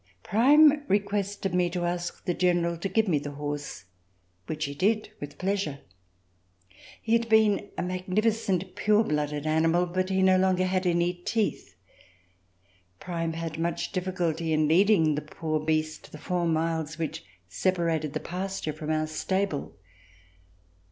Prime requested me to ask the General to give me the horse, which he did with [231 ] RECOLLECTIONS OF THE REVOLUTION pleasure. He had been a magnificent pure blooded animal, but he no longer had any teeth. Prime had much difficulty in leading the poor beast the four miles which separated the pasture from our stable.